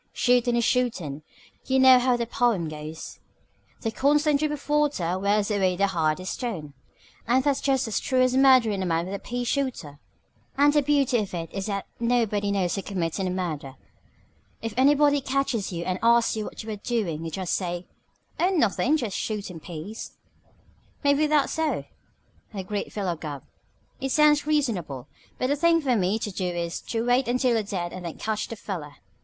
Shootin' is shootin'. You know how that pome goes 'The constant drip of water Wears away the hardest stone ' and that's just as true of murderin' a man with a pea shooter. "And the beauty of it is that nobody knows you're committin' a murder. If anybody catches you and asks you what you're doin' you just say, 'Oh, nothin'. Just shootin' peas.'" "Maybe that's so," agreed Philo Gubb. "It sounds reasonable. But the thing for me to do is to wait until you're dead and then catch the feller.